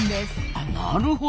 あなるほど。